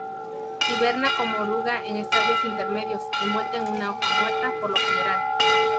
Hiberna como oruga en estadios intermedios, envuelta en una hoja muerta, por lo general.